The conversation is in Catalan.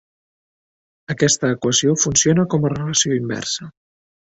Aquesta equació funciona com a relació inversa.